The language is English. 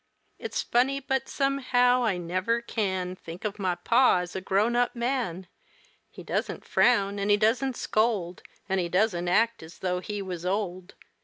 It's funny, but, somehow, I never can Think of my pa as a grown up man. He doesn't frown an' he doesn't scold, An' he doesn't act as though he wuz old.